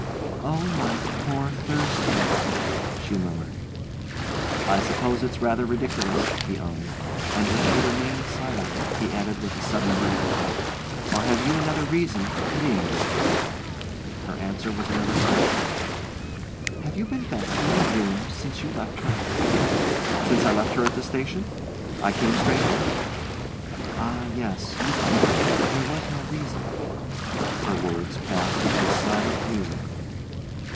"Oh, my poor Thursdale!" she murmured. "I suppose it's rather ridiculous," he owned; and as she remained silent, he added, with a sudden break "Or have you another reason for pitying me?" Her answer was another question. "Have you been back to your rooms since you left her?" "Since I left her at the station? I came straight here." "Ah, yes you could: there was no reason " Her words passed into a silent musing.